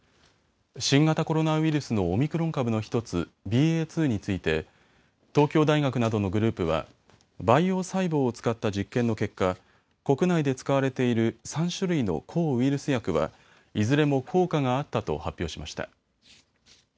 新型コロナウイルスのオミクロン株の１つＢＡ．２について東京大学などのグループは培養細胞を使った実験の結果、国内で使われている３種類の抗ウイルス薬はいずれも効果があったと発表しました。